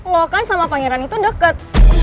lo kan sama pangeran itu deket